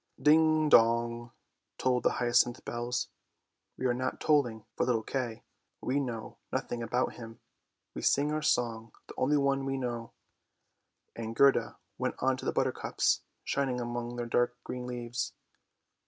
" Ding, dong," tolled the hyacinth bells; " we are not tolling for little Kay; we know nothing about him. We sing our song, the only one we know." And Gerda went on to the buttercups shining among their dark green leaves.